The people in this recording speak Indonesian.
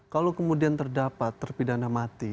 kalau kemudian terdapat terpidana mati